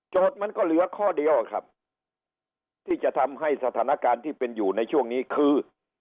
มันก็เหลือข้อเดียวครับที่จะทำให้สถานการณ์ที่เป็นอยู่ในช่วงนี้คือ